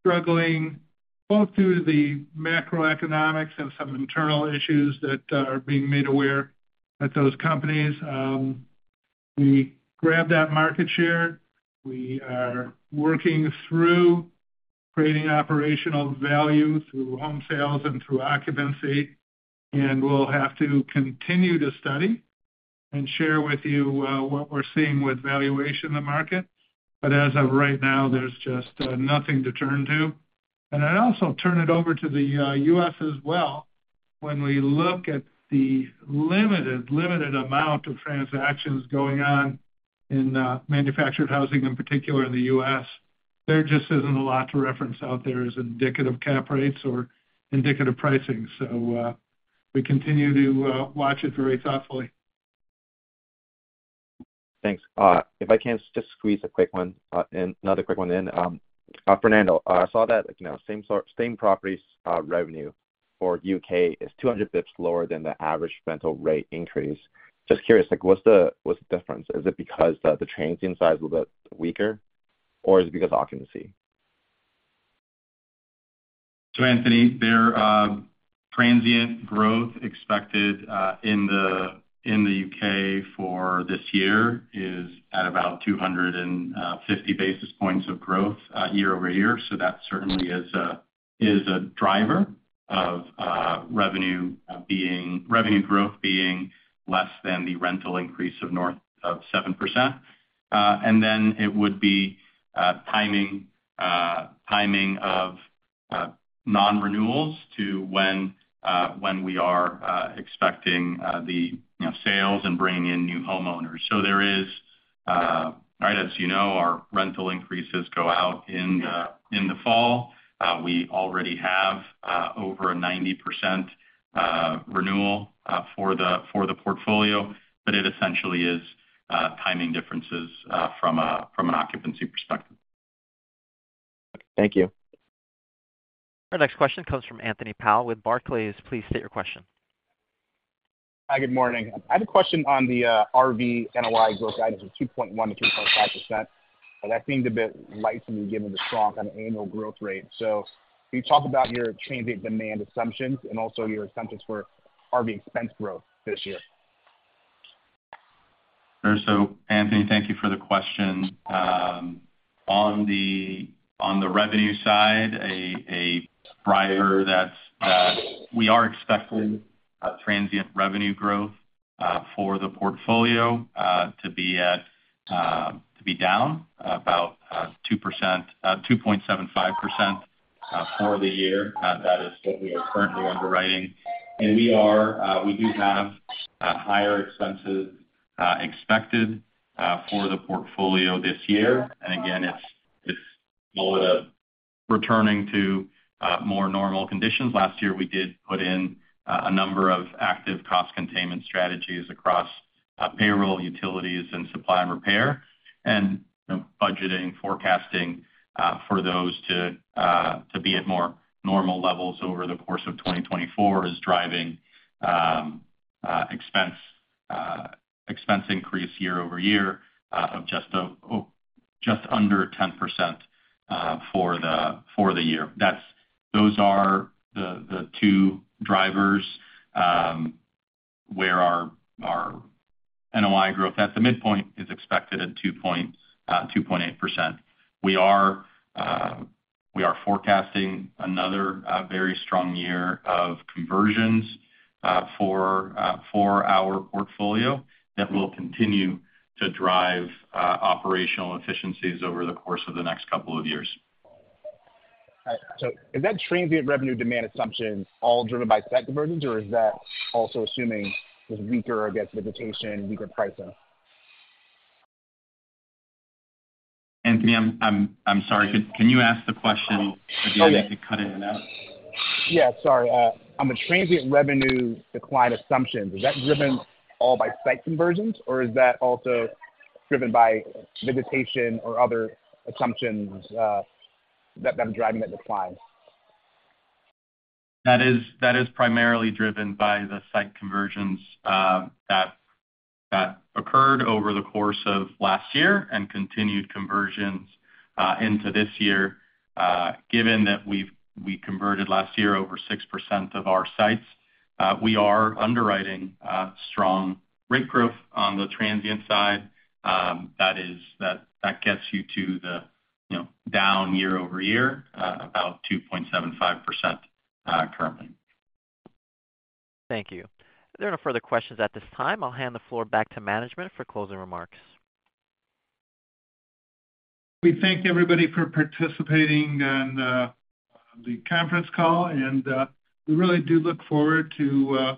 struggling, both through the macroeconomics and some internal issues that are being made aware at those companies, we grab that market share. We are working through creating operational value through home sales and through occupancy, and we'll have to continue to study and share with you what we're seeing with valuation in the market. But as of right now, there's just nothing to turn to. And I'd also turn it over to the U.S. as well. When we look at the limited amount of transactions going on in manufactured housing, in particular in the U.S., there just isn't a lot to reference out there as indicative cap rates or indicative pricing, so we continue to watch it very thoughtfully. Thanks. If I can just squeeze a quick one in, another quick one in. Fernando, I saw that, you know, same properties revenue for UK is 200 basis points lower than the average rental rate increase. Just curious, like, what's the difference? Is it because the transient size is a bit weaker, or is it because of occupancy? So Anthony, the transient growth expected in the UK for this year is at about 250 basis points of growth year-over-year. So that certainly is a driver of revenue growth being less than the rental increase of north of 7%. And then it would be timing of non-renewals to when we are expecting the, you know, sales and bringing in new homeowners. So there is. All right, as you know, our rental increases go out in the fall. We already have over a 90% renewal for the portfolio, but it essentially is timing differences from an occupancy perspective. Thank you. Our next question comes from Anthony Powell with Barclays. Please state your question. Hi, good morning. I had a question on the RV NOI growth guidance of 2.1%-3.5%. That seemed a bit light to me, given the strong kind of annual growth rate. So can you talk about your changing demand assumptions and also your assumptions for RV expense growth this year? Sure. So, Anthony, thank you for the question. On the revenue side, a driver that's we are expecting transient revenue growth for the portfolio to be down about 2%, 2.75%, for the year. That is what we are currently underwriting. And we are, we do have higher expenses expected for the portfolio this year. And again, it's more of a returning to more normal conditions. Last year, we did put in a number of active cost containment strategies across payroll, utilities, and supply and repair. Budgeting, forecasting, for those to be at more normal levels over the course of 2024 is driving expense increase year-over-year of just under 10% for the year. Those are the two drivers, where our NOI growth at the midpoint is expected at 2.8%. We are forecasting another very strong year of conversions for our portfolio that will continue to drive operational efficiencies over the course of the next couple of years. Is that transient revenue demand assumption all driven by site conversions, or is that also assuming there's weaker guest visitation, weaker pricing? Anthony, I'm sorry. Can you ask the question again? It kept cutting in and out. Yeah, sorry. On the transient revenue decline assumptions, is that driven all by site conversions, or is that also driven by visitation or other assumptions, that are driving that decline? That is primarily driven by the site conversions that occurred over the course of last year and continued conversions into this year. Given that we've converted last year over 6% of our sites, we are underwriting strong rate growth on the transient side. That gets you to the, you know, down year-over-year about 2.75% currently. Thank you. There are no further questions at this time. I'll hand the floor back to management for closing remarks. We thank everybody for participating on the conference call, and we really do look forward to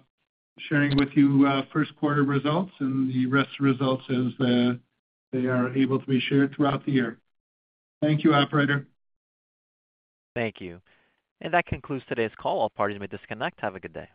sharing with you first quarter results and the rest results as they are able to be shared throughout the year. Thank you, operator. Thank you. That concludes today's call. All parties may disconnect. Have a good day.